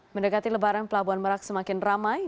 mendekati lebaran pelabuhan merak semakin ramai